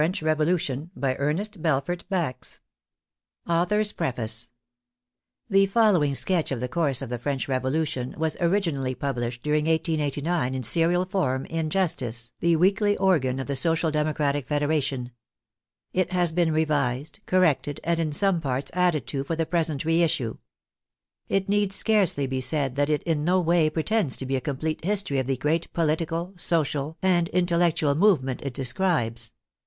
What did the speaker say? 80 Robespierre 96 Babeuf 104 JEAN JACQUES ROUSSEAU AUTHOR'S PREFACE The following sketch of the course of the French Revolution was originally published during 1889 in serial form in "Justice," the weekly organ of the Social Demo cratic Federation. It has been revised, corrected, and, in some parts, added to, for the present re issue. It need scarcely be said that it in no way pretends to be a com plete history of the great political, social, and intellectual movement it describes.